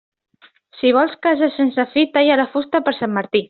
Si vols casa sense fi, talla la fusta per Sant Martí.